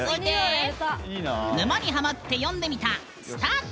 「沼にハマって詠んでみた」スタート！